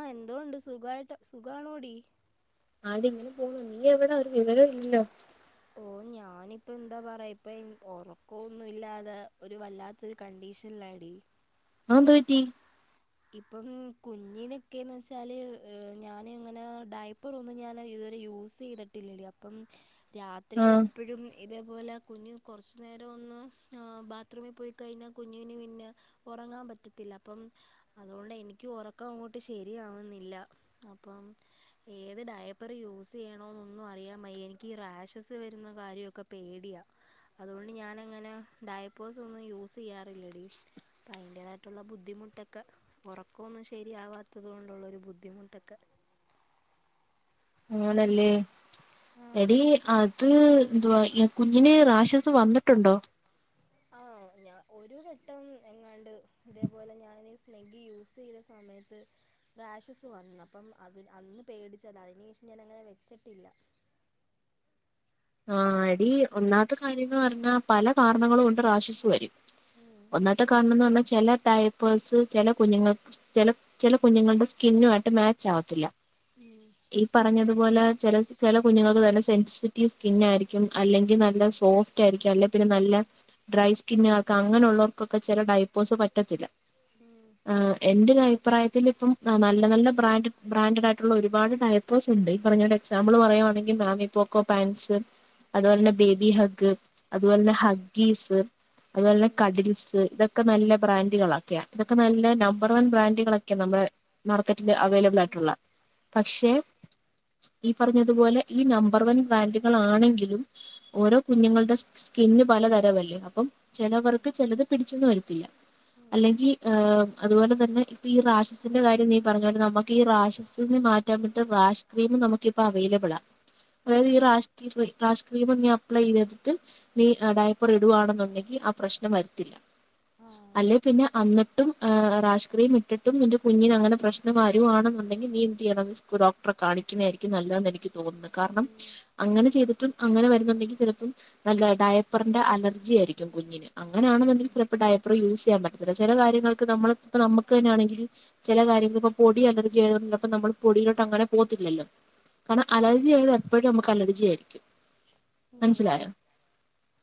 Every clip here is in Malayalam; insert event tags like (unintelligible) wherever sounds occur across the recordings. ആ എന്തോണ്ട് സുഖായിട്ട് സുഖാണോടി? ആടി. ഇങ്ങനെ പോണു നീ എവിടെ ഒരു വിവരം ഇല്ലോ? ഓ ഞാ ഞാനിപ്പ എന്താ പറയാ ഇപ്പൊ ഒറക്കൊന്നും ഇല്ലാതെ ഒരു വല്ലാത്തരു കണ്ടീഷൻല്ലാടി. ആന്തോറ്റി? ഇപ്പം കുഞ്ഞിനൊക്കെന്ന് വെച്ചാല് ഞാന് ങ്ങനെ ഡൈപ്പർ ഒന്നും ഞാൻ യൂസെ യ്തിട്ടില്ലടി അപ്പം രാത്രിൽ ആഹ് എപ്പോഴും ഇത് അതു വല്ല കുഞ്ഞ് കെർച് നേരം, ഒന്ന് ബത്റൂമി പോയി കഴിഞ്ഞാൽ കുഞ്ഞിന് പിന്നെ ഒറങ്ങാ പറ്റത്തില്ല അപ്പം അതുകൊണ്ട് എനിക്ക് ഉറക്കം അങ്ങോട്ട് ശരിയാവുന്നില്ല. അപ്പം ഏത് ഡയപ്പർ യൂ യൂസെയ്യണൊ ഒന്നും അറിയാംവെയ്യ എനിക്ക് റാശസ് വരുന്ന കാര്യോക്കെ പേടിയാ അതുകൊണ്ട് ഞാ ഞാനങ്ങനെ ഡയ്പേഴ്സൊന്നും യൂസെയ്യാറില്ലടി അപോഅയിന്റെതായിട്ടുള്ള ബുദ്ധിമുട്ടൊ (unintelligible) ഒറക്കോന്നും ശരിയാവാത്തത് കൊണ്ടുള്ള ഒരു ബുദ്ധിമുട്ടൊക്കെ. ആണല്ലേ, ആ എടി അത് എന്തുവാ ഈ കുഞ്ഞിന് റാഷസ് വന്നിട്ട് ണ്ടോ? ആആഹ് ഞാൻ ഒരു, വട്ടം എങ്ങാണ്ട് ഇതേപോലെ ഞാൻീ സ്നിഗ്ഗി യൂസെയ്ത സമയത്ത് റാഷസ് വന്നപ്പം അത്, അന്ന് പേടിച്ചതാ അതിന് ശേഷം ഞാന അങ്ങനെ വെച്ചിട്ടില്ല. (inaudible) ആ എടി ഉം ഒന്നാമത്തെ കാര്യംന്ന് പറഞ്ഞാ പല കാർണങ്ങളും കൊണ്ട് റാഷസ് വരും. ഉം (inaudible) ഒന്നാത്തെ കാരണംന്ന് പറഞ്ഞാ ചെല ടൈയ് പേഴ്സ് ചില കുഞ്ഞുങ്ങൾ ചെല ചെല കുഞ്ഞുങ്ങളുടെ സ്കിന്നു ആയിട്ട് മാച്ച് ആവത്തില്ല. ഉം ഈ പറഞ്ഞതുപോലെ, ചെല കുഞ്ഞുങ്ങൾത് നല്ല സെൻസറ്റീവ്സ് സ്കിന്നാ ആയിരിക്കും അല്ലെങ്കിൽ നല്ല സോഫ്റ്റ് ആയിരിക്കും അല്ലെ പിന്നെ നല്ല ഡ്രൈ സ്കിന്ന ആക്കാം അങ്ങനൊളളാ ചെല ഡെയ്‌പേഴ്സ് പറ്റത്തില്ല. എന്റെരു അഭിപ്രായ ത്തിലിപ്പം ന്ന നല്ല നല്ല ബ്രാഡ് ബ്രാഡ്ട് ആയിട്ടുള്ള ഒരുപാട് ഡൈപ്പേഴ്സ് ഉണ്ട്. ഇപ്പറഞ്ഞപോലെ ഒരു എക്സാമ്പിൾ പറയുവാണെങ്കിൽ മാമീ പോക്കോ പാൻറ്സ്. അതുപോലെന്നെ ഉം ബേബി ഹഗ്, അതു പോലെന്നെന്ന ഹഗ്ഗീസ് അതുപോലെന്നെ ഉം കടിൽസ് ഇതൊക്കെ നല്ല ബ്രാന്റുകളൊക്കെയാ ഇതൊക്കെ നല്ല നമ്പർ വൺ ബ്രാന്റുകളൊക്കെ നമ്മളെ (unintelligible) അവൈലബിൾ ഉം ആയിട്ടുള്ള പക്ഷെ ഈ പറഞ്ഞതുപോലെ ഈ നമ്പർ വൺ ബ്രാൻഡ് ആണെങ്കിലും ഓരോ കുഞ്ഞുങ്ങളുടെ സ്കിന്ന് പലതരമല്ലേ അപ്പം ചിലവർക്ക് ചിലത് പിടിച്ചന്നും വരത്തില്ല. ഉം അല്ലെങ്കിൽ ഹ് അതുപോലെ തന്നെ ഇപ്പൊ ഈ രാക്ഷസിന്റെ കാര്യം നീ പറഞ്ഞണ്ട് നമുക്ക് ഈ രാക്ഷസി മാറ്റാ പറ്റ റസ് ക്രീം നമുക്ക്പ്പോ അവൈലബിൾ ആ ഉം ഉം ഉം അതായത്ഈ റ സ് ക്രീമ നീ അപ്ലൈ ചെയ്തിട്ട് നീ ഡൈപ്പർ ഇടുകവാണെന്നുണ്ടെങ്കി ആ പ്രശ്നം വരുത്തില. ആ അല്ലെ പിന്നെ അന്ന (unintelligible) നിന്റെ കുഞ്ഞിനെ അങ്ങനെ പ്രശ്നം ഉം വരുവാണേനുണ്ടെകിൽ നീ എന്ത് ചെയ്യണം ഡോക്ടറെ കാണണം കാണിക്കുന്നായിരിക്കും നല്ലെന്ന് എനിക്ക് തോന്നുന്നു കാരണം ഉം അങ്ങനെ ചെയ്തിട്ടും അങ്ങനെ വരുന്നുണ്ടെങ്കിൽ ചെലപ്പം നല്ല ഡയപ്പറിന്റെ അലർജി ആയിരിക്കും കുഞ്ഞിന് ഉം അങ്ങനാണെങ്കിൽ ചെലപ്പ ഡയ പ്പറ് യൂസ് ചെയ്യൻ പറ്റത്തില്ല ചെല കാര്യങ്ങൾക്ക് നമ്മള ഇപ്പ നമുക്ക് തന്നാണെങ്കിൽ ചെല കാര്യങ്ങള് ഇപ്പൊ പൊടി അലർജി ആയതൊണ്ട് ഇതൊക്കെ നമ്മൾ പൊടിയിലോട്ട് അങ്ങനെ പോത്തില്ലല്ലോ കാരണം ആ അലർജി ആയത് എപ്പോഴും നമ്മ അലർജി ആയിരിക്കും ഉം മനസിലായോ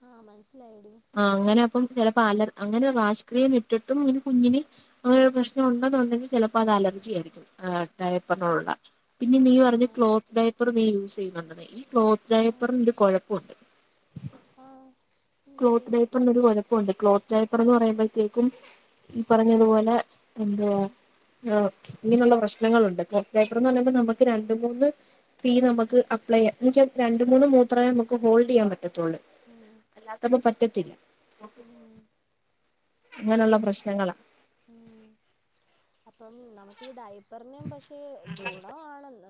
ആ മനസ്സിലായെടി ആ അങ്ങനെ അപ്പം ചെ അപ്പ അലൻ അങ്ങനെ വാഷ് ക്രീം ഇട്ടിട്ടു കുഞ്ഞിന് അങ്ങനെ ഒരു പ്രശ്നം ഉണ്ടെന്നുണ്ടെങ്കിൽ ചെലപ്പോ അത് അലർജിയാ ആ ഡയപ്പറിനൊള്ള പിന്നെ നീ ആ പറഞ്ഞ ക്ലോത്ത് ഡൈപ്പർ നീ യൂസ് ചെയ്യുന്നുണ്ടന്ന് ഈ ക്ലോത്ത് ആ ഡേയപ്പറിന്ഒരു കുഴപ്പൊണ്ട് ആഹ് എന്താടി ക്ലോത്ത് ഡേയപ്പറിനൊരു കൊഴപ്പ പ്പണ്ട് ക്ലോത്ത് ഡയപ്പർ എന്ന് പറയുമ്പഴ്ത്തേക്കും ഈ പറഞ്ഞതുപോലെ എന്ത് വാ ആ ഇങ്ങനെയുള്ള പ്രശ്നങ്ങളുണ്ട് കോ ഡയപ്പർന്ന് പറയുമ്പോ നമുക്ക് രണ്ട് മൂന്ന് ഫീ നമുക്ക് അപ്ലൈ എന്നുവെച്ച രണ്ട് മൂന്ന് മൂത്രമേ നമുക്ക് ഹോൾഡ് ചെയ്യാൻ പറ്റത്തുള്ളൂ ഉം അല്ലാത്തപ്പോ പറ്റത്തില്ല ഉം അങ്ങനെയുള്ള പ്രശ്നങ്ങളാ ഉം അപ്പം നമുക്ക് ഈ ഡയപ്പറിനും പക്ഷേ ഗുണമാണ്